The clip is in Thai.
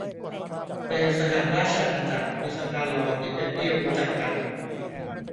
ในสหราชอาณาจักรมีสะพานลอยที่เป็นที่รู้จักกัน